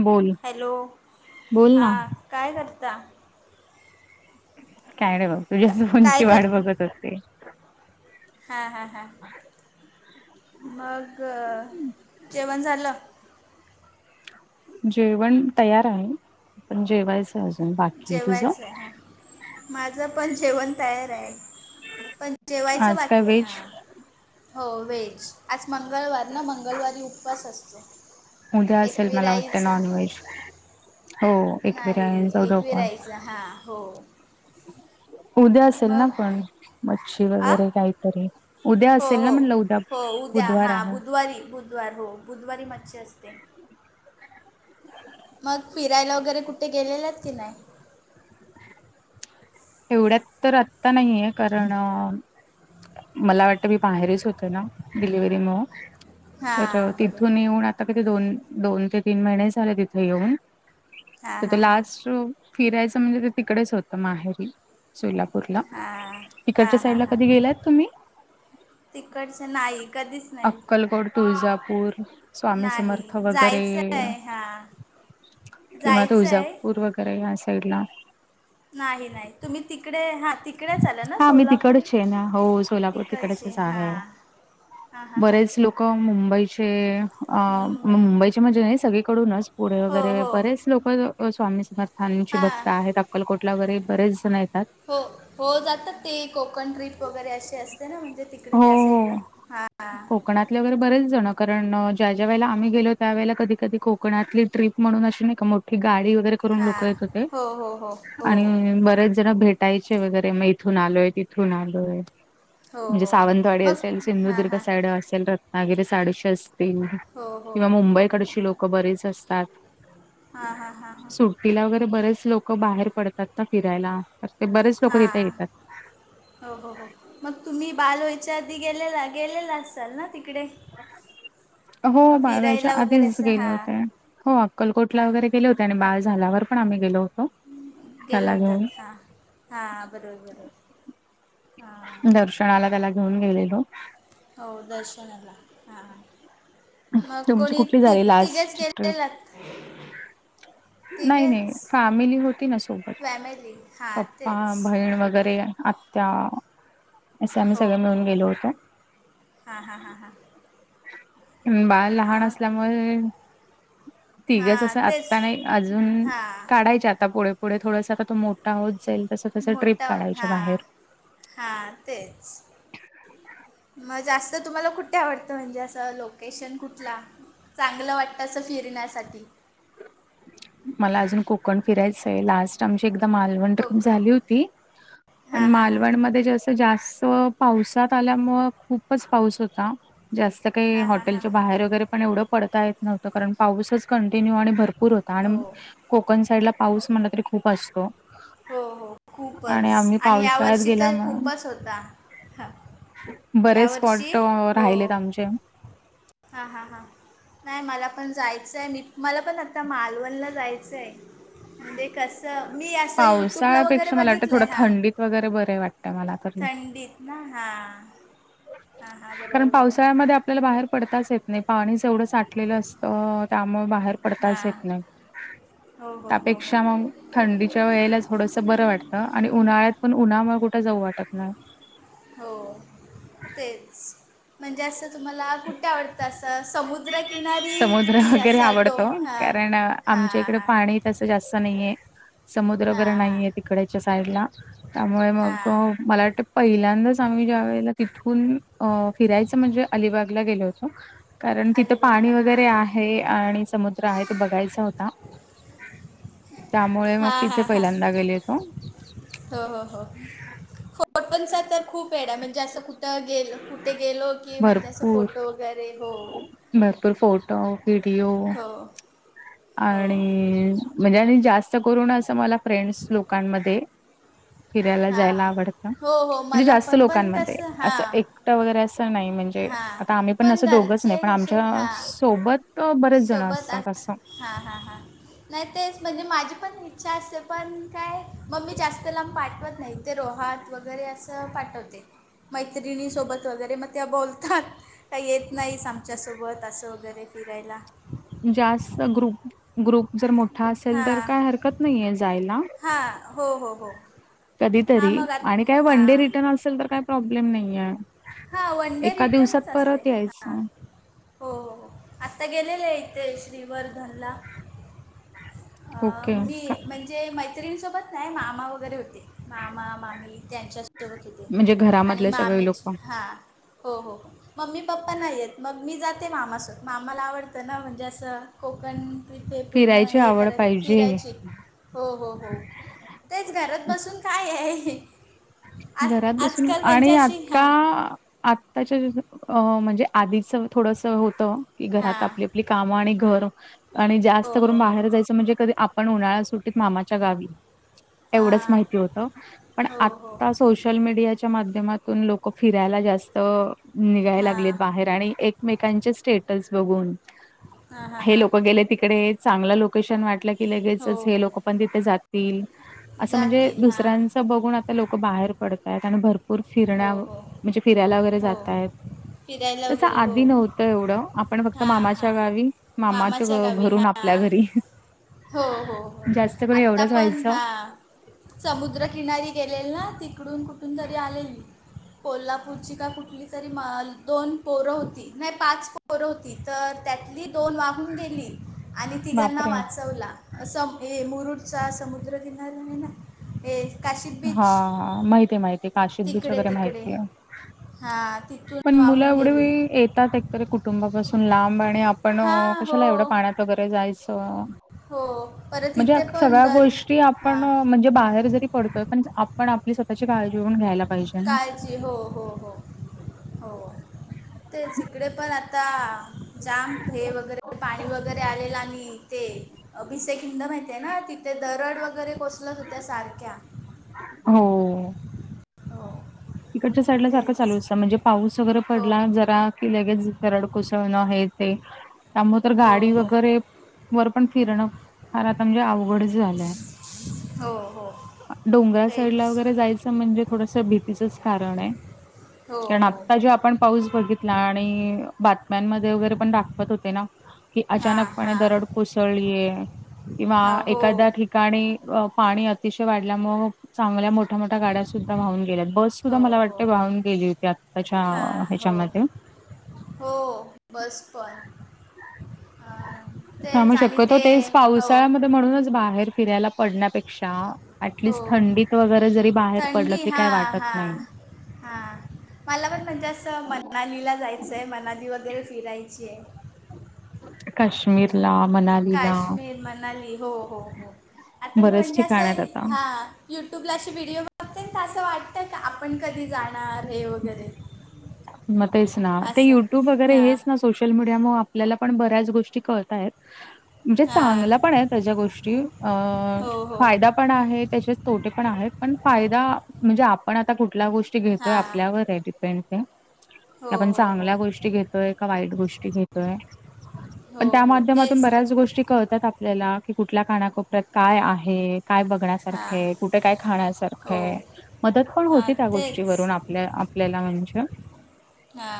बोल हॅलो बोल ना हां काय करता. काय नाही बघ का तुझ्यास काय फोनची वाट बघत होते. हा हा हा मग जेवण झालं. जेवण तयार आहे पण जेवायच जेवायचं आहे हा माझ पण जेवण तयार आहे पण जेवायचं आज काय बाकी आहे व्हेज हा हो वेज. आज मंगळवार ना मंगलवली उपवास असतो. उद्या असेल मला वाटत एकविराईचा नॉनव्हेज हो एक बिर्याणी चौदा उपवास फिरायचं हां हो. उद्या असेल ना मग पण मच्छी आ वगैरे काहीतरी. उद्या हो असेल ना हो म्हणलं उद्या हो उद्या बुधवार हा आहे बुधवारी बुधवार हो बुधवारी मच्छी असते. मग फिरायला वगैरे कुठे गेलेलेत की नाही. एवढ्यात तर आत्ता नाहीये कारण. मला वाटतं मी बाहेरच होते ना डिलिव्हरी मुळा. तर हां तिथून बरोबर येऊन आता किती? दोन दोन ते तीन महिने झाले तिथे येऊन. हां तर ते हां हां लास्ट फिरायचं म्हणजे ते तिकडेच होतं माहेरी. सोलापूरला हां हां तिकडच्या साईड हां ला हां कधी गेलायत तुम्ही? तिकडचं नाही कधीच नाही अक्कलकोट तुळजापूर स्वामी नाही समर्थ वगैरे जायचं आहे हां किंवा जायचं आहे तुजापूर वगैरे या साईड ला. नाही नाही तुम्ही तिकडे आहात. हा मी तिकडच आहे ना, हो सोलापूर तिकडचे तिकडेचच हां आहे. हां हां हां बरेच लोक मुंबईचे अ मुंबई आमचे म्हणजे नाही सगळीकडूनच पुढे हो वगैरे हो बरेच लोक स्वामी समर्थांची हां भक्त आहेत आ अक्कलकोट वगैरे बरेच जण येतात. हो हो जातात ते कोकण ट्रिप वगैरे अशे अस जरा म्हणजे तिकडे हो त्या साईडला हो हा. कोकणातले वगैरे बरेच जणं कारण ज्या ज्या वळेला आम्ही गेलो त्यावेळेला कधी कधी कोकणातली ट्रीप म्हणून अशी नाही का मो की गाडी वगैरे करून लोक हां येत होते हो हो हो हो आणि बरेच जण भेट ताईचे वगैरे मग इथून आलोय तिथून आलोय. हो म्हणजे हो हो सावंतवाडी मग असेल, हां सिंधुदुर्ग हां साइड असेल, रत्नागिरी साडशीे अस हो हो किंवा मुंबईकडची लोक बरीच असतात. हा हा, हा हा. तिला वगैरे बरेच लोक बाहेर पडतात ता फिरायला तर ते बरेच लोक हां तिथे येतात. हो हो हो मग तुम्ही बाल वयच्या आधी गेलेला गेलेला असाल ना तिकडे? [unintelligible] हो अ, बाळ व्हायच्या फिरायला वगैरे आधीच असं गेले हां होते हो अक्कलकोटला हां वगैरे गेले होते आणि बाळ झाल्यावर. पण आम्ही गेलो. होतो केला त्याला घेऊन होतात हा, हा हा, बरोबर बरोबर. हां दर्शनाला त्याला घेऊन गेलेलो. हो दर्शनाला, हा हा. मग तुमची कोणी कुठली तिघ झाली तिघेच लास्ट ट्रिप? गेलेलात? नाही तिघेच नाही फॅमिली होती ना सोबत फॅमिली हां पप्पा तेच बहीण वगैरे आ त्या असे आम्ही सगळे मिळून गेलो होतो. हा हा, हा हा. बाळ लहान असल्यामुळे. तिघच हां असं तेच आत्ता नाही अजून हां काढायचे आता पुढ पुढे थोडासा आता तो मोठा होत जाईल तसं तसं ट्रिप काढायच्या बाहेर. हा तेच. मग जास्त तुम्हाला कुठे आवडतं म्हणजे असं लोकेशन कुठला? चांगलं वाटतं असं फिरण्यासाठी. मला अजून कोकण फिरायचं लास्ट टाईम ची एकदा माल वन ट्रिप कोकण झाली होती पण हां हां हां मालवण मध्ये जे अस जास्त पावसात आल्यामुळे खूपच पाऊस होता जास्त काही हां हां हां हॉटेलच्या बाहेर वगैरे पण एवढं पडता येत नव्हतं, कारण पाऊसच कंटिन्यू आणि भरपूर होत हो आणि कोकण साईडला हो पाऊस म्हटलं तरी खूप असतो. हो हो खूपच आम्ही आणि या पावसाळ्यात वर्षीचा गेल्यामुळे खूपच होता ह. बरेच स्पॉट राहिलेत आमचे. हा हा हा. नाही मला पण जायचं आहे मी मला पण आता मालवणला जायचं आहे. म्हणजे कस मी असं युट्यूब ला वगैरे पावसाळ्यापेक्षा मला वाटतं बघितलंय थोडं हा. थंडीत वगैरे बरे वाटतय मला. तरी. थंडीत ना हा. कारण पावसाळ्यामध्ये आपल्याला बाहेर पडताच येत नाही. पाणी जेवढं साठलेलं असतं त्यामुळे बाहेर पडताच येत हां नाही. हो हो हो हो त्यापेक्षा मग थंडीच्या वेळेलाच थोडसं बरं वाटतं आणि उन्हाळ्यात पण उन्हामुळे कुठे जाऊ वाटत नाय. हो तेच. म्हणजे असं तुम्हाला कुठे आवडतं, असं समुद्रकिनारी समुद्र की वगैरे अस आवडतो डोंग हं? कारण आमच्या इकडे पाणी तसं जास्त नाहीये. समुद्र वगैरे हां हां नाहीये तिकडच्या साईडला. त्यामुळे मग हां मला वाटतं पहिल्यांदाच आम्ही ज्या वेळेला तिथून फिरायचं, म्हणजे अलिबागला गेलो होतो. कारण तिथं अलिबागला पाणी हां वगैरे आहे आणि समुद्र आहे तो बघायचा होता. त्यामुळे मग हां तिथे हां हां पहिल्यांदा गेलेलो. हो हो हो. [unintelligible] पनचा तर खूप वेड म्हणजे असं कु त्या गेलो कुठे गेलो की म्हणजे असं भरपूर फोटो वगैरे हो भरपूर फोटो, व्हिडिओ हो. हो आणि म्हणजे आणि जास्त करूनून असं मला फ्रेंड्स लोकांमध्ये फिरायला हां जायला आवडत हो हो म्हणजे मला जास्त पण पण लोकांमध्ये कसं असं हां एक कटं वगैरे असं नाही म्हणजे हां आत्ता आम्ही पण असं दोघंच नाही घरचे पण कसे आमच्या हां सोबत तो बरेच जण अस्सा कसा हा हा हा. नाय तेच म्हणजे माझी पण इच्छा असते पण काय मम्मी जास्त लांब पाठवत नाही. ते रोहात वगैरे असं पाठवते. मैत्रिणी सोबत वगैरे म त्या बोलतात काही येत नाहीस आमच्यासोबत असं वगैरे फिरायला. जास्त ग्रुप ग्रुप जर मोठा असेल तर हां काही हरकत नाहीये जायला. हां हो हो हो हां कधीतरी मग आत आणि काय वन हां डे रिटर्न असेल तर काय प्रॉब्लेम नाहीये. हा वन डे एका दिवसात रिटर्नच असते परत हा. यायचं हो आत्ता गेलेले ते श्रीवर्धनला. आं ओके मी म्हणजे मैत्रिणी सोबत नाय मामा वगैरे होते मामा मामी त्यांच्या तो बघ इथे म्हणजे आणि घरामधले सगळे मामीची लोक हा हो हो. मम्मी पप्पा नाही येत मग मी जाते मामा सह मामाला आवडतं ना म्हणजे असं कोकण इथे पूर्ण फिरायची हे आवड कराय पाहिजे फिरायचे हो हो हो तेच घरात बसून काय आहे. आज घरात बसून आजकाल म्हणजे आणि अशी अक्का हां आत त्याच्या तिथं अ म्हणजे आधीचा थोडंसं होतं की घरात हां आपले पली कामं आणि घर आणि हो जास्त करून हो हो बाहेर जायचं म्हणजे कधी आप पण उन्हाळा सुट्टीत मामाच्या गावी एवढेच हां माहीत होतं पण हो आत हो ता सोशल मीडियाच्या माध्यमातून लोकं फिरायला जास्त लोकं फिरायला जास्त निघाय लागले हां बाहेर आणि एकमेकांचे स्टेटस बघून हां हां हे हां लोकं गेले तिकडे चांगलं लोकेशन वाटलं की हो लगेचच हे हो लोकं पण तिथे जातील असं म्हणजे जातील हां दुसऱ्यान त बघून आता लोकं बाहेर पडतय आणि भरपूर फिरण्या हो हो म्हणजे फिरायला वगैरे हो जात आहे. फिरायला तसं वगैरे हो आधी नव्हतं एवढं आपण फक्त हां मामाच्या हां गावी मामाच्या घ गावी घरून पल्या हां घरी हो हो हो जास्त करून आत्ता एवढंच पण व्हायचं. हा. समुद्रकिनारी गेलेले ना तिकडून कुठून तरी आलेली. कोल्हापूरची का कुठली तरी माल दोन पोरं होती नाही पाच पो पोरं होती तर त्यातली दोन वाहून गेली आणि तिघांना बापरे! वा चवला अस हे मुरुडचा समुद्र किनारा आहे ना हे. काशी हा बीच माहितीये माहित ते काशिद बीच तिकडे वगैरे तिकडे माहितीये हां तिथून पण मुलं वाहून एवढे गेली येतात तर कुटुंबापासून लांब आणि आपण हां कशाला एवढं हो पाण्यात वगैरे जायचं. हो परत म्हणजे इथे पण सगळ्या दर गोष्टी हां आपण म्हणजे बाहेर जरी पडतोय पण आपण आपली स्वतःची काळजी पण घ्यायला पाहिजे ना. काळजी हो हो हो हो. तेच इकडे पण आता जाम हे, वगैरे पाणी वगैरे आलेला नाही ते. भिसे खिंड माहिती ना, तिथे दरड वगैरे कोसलच होत्या सारख्या. हो.. हो. तिकडच्या साईड ला सारखा चालू तेच असतं म्हणजे पाऊस वगैरे हो पडला जरा की लगेच दरड कोसळणं आहे ते, त्यामुळे तर हो गाडी हो वगैरे. वर पण फिरणं, फार आता म्हणजे अवघडच. झालाय हो हो डोंगरा साईड तेच वगैरे जायच म्हणजे थोडासा भित तच कारण य हो कारण हो आता हो जै आप पण पाऊस बघितला आणि, बातम्यांमध्ये वगैरे पण दाखवत होते ना. कि हां अचानकपणे हां दरड कोसळीये किंवा हां हो एखाद्या ठिका काणी पाणी अतिशय वाढल्यामुळ चांगल्या मोठ्या मोठ्या गाड्या सुद्धा वाहून गेल्यात. बस सुद्धा हो मला हो वाटते हो वाहून गेली होती, आत्ताच्या हां हो हेच्यामध्ये. हो बस पण. अं, थांबू तेच आणि शक्यतो ते तेच हो पावसाळ्यामध्ये म्हणूनच बाहेर फिरायला पडण्यापेक्षा हो ऍटलिस्ट थंडीत वगैरे, जरी बाहेर पडलं तरी काही वाटत नाही. हा. मला पण म्हणजे असं मनालीला जायचंय मनाली वगैरे फिरायची आहे. काश्मीर ला मनाली. काश्मीर मनाली हो हो हो आता मी बरेच म्हणजे ठिकाण आहेत आता. असं हा युट्यूबला अशी व्हिडिओ बघते तर असं वाटतं की आपण कधी जाणार हे वगैरे. मग तेच ना, ते असं युट्यूब वगैरे हां हेच ना सोशल. सोशल मीडियामुळे आपल्याला पण, बऱ्याच गोष्टी कळतायत. म्हणजे हां चांगला पण आहे त्या गोष्टी अ हो हो फायदा पण आहे तशेच तोटे पण आहे पण फायदा म्हणजे आपण आता कुठल्या गोष्टी घेतोय हां आपल्यावर आहे डिपेंड त्या. हो आपण हो हो चांगल्या गोष्टी घेतोय, का वाईट गोष्टी घेतोय. पण हो त्या हो माध्यमातून तेच बऱ्याच गोष्टी कळतात आपल्याला की कुठल्या कानाकोपऱ्यात काय आहे काय हां बघण्यासारखं आहे कुठे काय हो खाण्यासारखंय मदत पण हां होती त्या तेच गोष्टीवरून आपल्या, आपल्याला म्हणजे. हा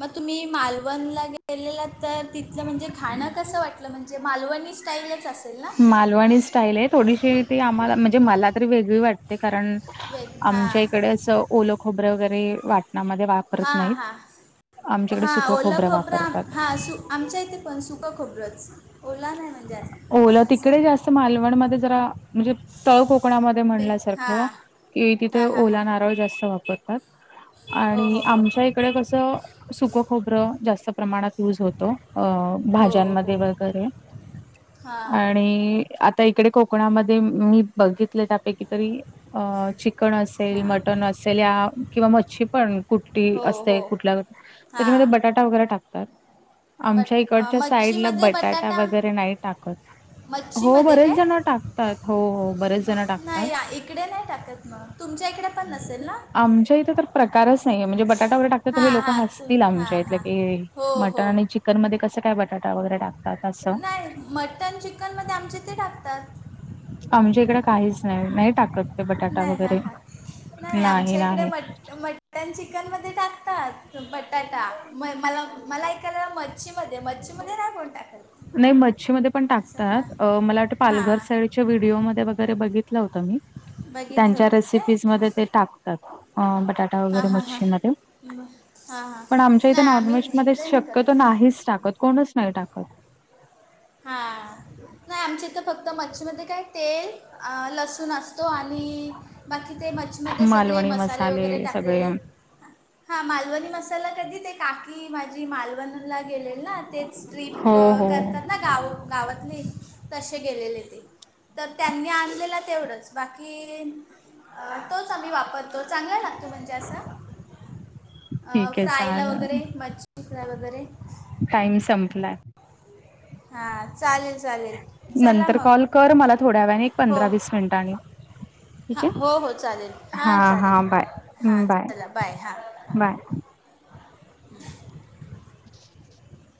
मग तुम्ही मालवणला गे केलेलं तर तिथलं म्हणजे खाणं कस वाटलं म्हणजे मालवणी स्टाईलच असेल ना? मालवणी स्टाईल आहे थोडीशी ती आम्हाला म्हणजे मला तरी वेगळी वाटते कारण वेग हां आमच्या इकडे अस ओलो खोबरं वगैरे वाटणामध्ये वा हा हा हा. ओल खोबरं खोबरा वापरतात. हा सु. आमच्या इथे पण सुकं खोबरं चं ओला नाही म्हणजे. ओलं असं असं तिकडे जास्त मालवणमध्ये जरा, म्हणजे तळ कोकणामध्ये वे म्हणल्यासारखं. हां कि तिथ हां हां ओला हां नारळ जास्त वापरतात हो आणि हो हो आमच्या हो इकडे कसं. सुक खोबरं जास्त प्रमाणात युज होतो, हो भाज्यांमध्ये हो वगैरे. हां आणि आता इकडे कोकणामध्ये, मी बघितले त्यापैकी तरी. अ चिकन असेल हां मटण असेल या, किंवा मच्छी पण कुठी हो असते हो कुठल्या. त्याच्यामध्ये हां बटाटा वगैरे टाकतात बट आमच्या अं, इकडच्या साईडला मच्छीमध्ये बटाटा वगैरे नाही [unintelligible] हो मच्छीमध्ये बरेच काय जण टाकतात हो, हो बरेच जण टाकतात. नाही या इकडे नाही टाकत मग तुमच्या इकडे पण नसेल ना. आमच्या इथे तर प्रकारच नाहीये बटाटा वगैरे टाकता तर हां हे लोकं हां तुम हसतील हां आमच्या इथले हां की हे हो हो मटणीची चिकन मध्ये कसं काय, बटाटा वगैरे टाक नाही मटन चिकन मध्ये आमचे ते टाकतात. आमच्या इकडं काहीच नाही, नाही टाकत. ते बटाटा नाही हा वगैरे. हा नाही आमच्या इकडे मट मट मटन चिकन मध्ये टाकतात, बटाटा म मला मला ऐकायला म शीमध्ये मच्छीमध्ये नाय कोण टाकल. नाही मच्छीमध्ये पण टाकतात, मला वाटत पालघर हां साईड. च्या व्हिडिओमध्ये वगैरे बघितलं होतं मी, बघितलं त्यांच्या होतं काय रेसिपीज मध्ये ते टाक टाक अ बटाटा हां हां वगैरे हां हां मच्छी मध्ये हां हां हां पण आमच्या इथे नाही नॉनव्हेज आम्ही मध्ये इकडे नाही शक्यतो करत नाहीच टाकत कोणच नाही टाकत. हा नाही आमच्या तर फक्त मच्छीमध्ये काय तेल लसूण असतो, आणि बाकी ते मच्छी. त्यामध्ये सगळे मालवणी मसाले वगैरे सगळे टाकलेले. हा मालवणी मसाला कधी ते काकी माझी मालवणी नला गेलेले ना तेच ट्रप हो, कर हो. काय ना गाव गावातली तसे गेलेले ते, तर त्यांनी आणलेलं तेवढंच. बाकी अ.. तोच आम्ही वापर तो चांगला लागतो म्हणजे, असा ठीक आहे फ्राय ला चालेल. वगैरे मच्छी. तुसऱ्या वगैरे टाईम संपला. हा. नंतर कॉल कर मला थोड्या वेळ्याने एक पंधरा वीस मिनिटांनी. हा ठीक आहे? हो हो. चालेल हा, हां, चालेल हां. बाय. हा चला बाय हा. बाय. [inaudible]